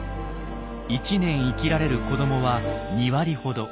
１年生きられる子どもは２割ほど。